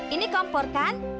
ini kompor kan